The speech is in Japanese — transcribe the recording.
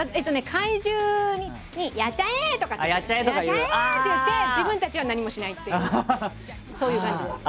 怪獣に「やっちゃえ！」って言って自分たちは何もしないっていうそういう感じです。